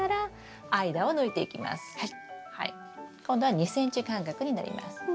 今度は２ｃｍ間隔になります。